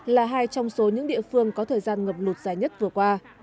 là hai trong số những địa phương có thời gian ngập lụt dài nhất vừa qua